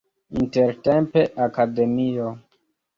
Intertempe Akademio.